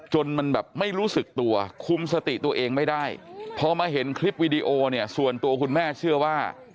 จนมันแบบไม่รู้สึกตัวคุมสติตัวเองไม่ได้พอมาเห็นคลิปวีดีโอเนี่ยส่วนตัวคุณแม่เชื่อว่า